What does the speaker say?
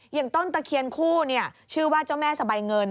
อย่างต้นตะเคียนคู่ชื่อว่าเจ้าแม่สบายเงิน